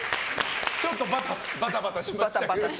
ちょっとバタバタしましたけど。